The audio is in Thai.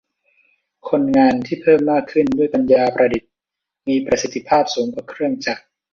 คนงานที่เพิ่มมากขึ้นด้วยปัญญาประดิษฐ์มีประสิทธิภาพสูงกว่าเครื่องจักร